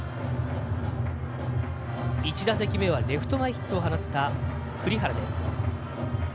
１打席目はレフト前ヒットを放った栗原です。